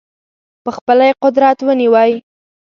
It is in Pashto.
په خپله یې قدرت ونیوی.